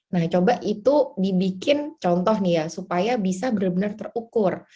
nah coba itu dibikin contoh nih ya supaya bisa benar benar terukur